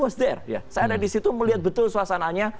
poster saya ada di situ melihat betul suasananya